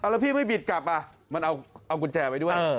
แล้วพี่ไม่บิดกลับมันเอากุญแจไว้ด้วย